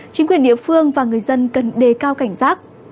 chính quyền địa phương và người dân cần đề cao cảnh giác